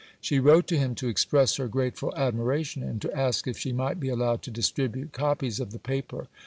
She wrote to him to express her grateful admiration and to ask if she might be allowed to distribute copies of the paper.